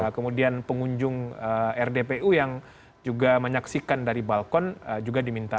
kemudian pengunjung rdpu yang juga menyaksikan dari balkon juga diminta